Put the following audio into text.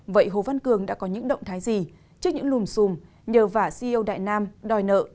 vậy hồ văn cường đã có những động thái gì trước những lùm xùm nhờ vả ceo đại nam đòi nợ